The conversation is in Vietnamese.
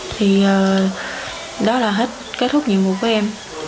thì đó là hết kết thúc nhiệm vụ của em